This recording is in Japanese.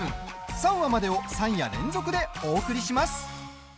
３話までを３夜連続でお送りします。